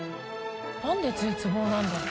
何で「絶望」なんだろう？